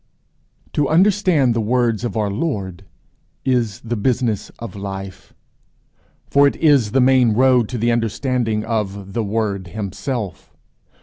To understand the words of our Lord is the business of life. For it is the main road to the understanding of The Word himself.